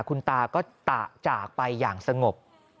คุณตาก็ตะจากไปอย่างสงบ